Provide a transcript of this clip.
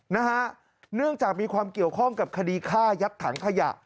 เนื่องจากมีความเกี่ยวข้องกับคดีฆ่ายัดถังขยะ